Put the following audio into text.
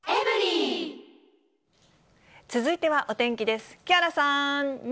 続いてはお天気です。